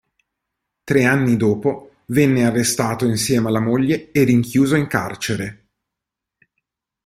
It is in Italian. Tre anni dopo venne arrestato insieme alla moglie e rinchiuso in carcere.